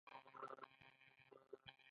خو دا کار نړۍ ته زیان رسوي.